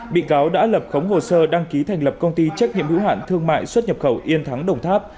bị cáo đã lập khống hồ sơ đăng ký thành lập công ty trách nhiệm hữu hạn thương mại xuất nhập khẩu yên thắng đồng tháp